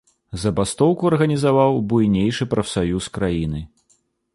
Забастоўку арганізаваў буйнейшы прафсаюз краіны.